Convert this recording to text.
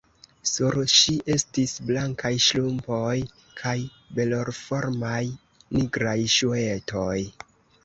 Sur ŝi estis blankaj ŝtrumpoj kaj belformaj, nigraj ŝuetoj.